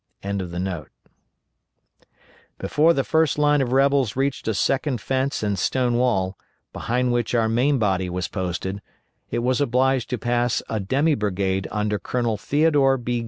] Before the first line of rebels reached a second fence and stone wall, behind which our main body was posted, it was obliged to pass a demi brigade under Colonel Theodore B.